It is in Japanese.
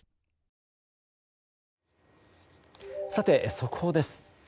速報です。